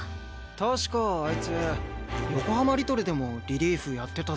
確かあいつ横浜リトルでもリリーフやってただろ。